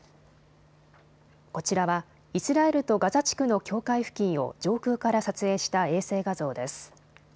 こちらはイスラエルとガザ地区の境界付近を上空から撮影した衛星画像です。